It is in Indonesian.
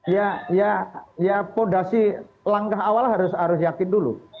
ya ya ya pondasi langkah awal harus yakin dulu